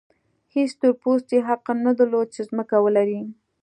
هېڅ تور پوستي حق نه درلود چې ځمکه ولري.